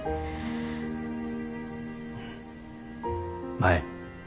舞。